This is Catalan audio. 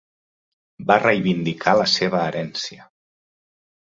Va reivindicar la seva herència.